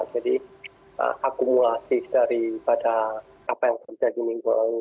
jadi akumulasi daripada apa yang terjadi minggu lalu